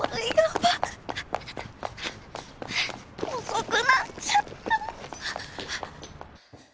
遅くなっちゃった！